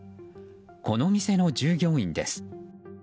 この店の従業員です。